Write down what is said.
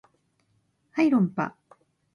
はい論破